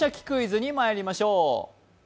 クイズ」にまいりましょう。